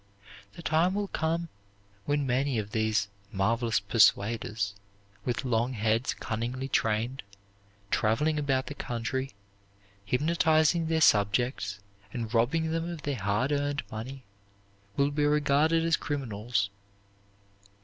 The time will come when many of these "marvelous persuaders," with long heads cunningly trained, traveling about the country, hypnotizing their subjects and robbing them of their hard earned money, will be regarded as criminals.